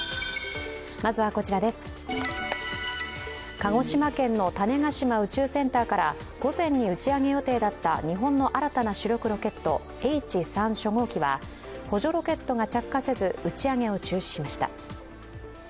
鹿児島県の種子島宇宙センターから午前に打ち上げ予定だった日本の新たな主力ロケットＨ３初号機は補助ロケットが着火せず打ち上げを中止しました。